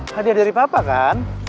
hadiah dari papa kan